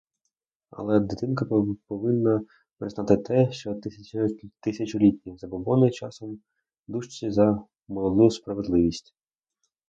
Але дитинка повинна признати те, що тисячолітні забобони часом дужчі за молоду справедливість.